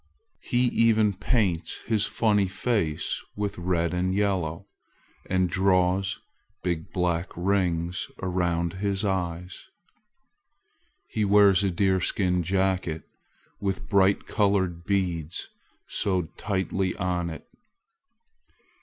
He even paints his funny face with red and yellow, and draws big black rings around his eyes. He wears a deerskin jacket, with bright colored beads sewed tightly on it.